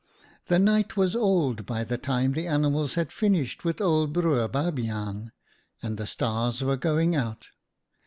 " The night was old by the time the animals had finished with old Broer Babiaan, and the stars were going out.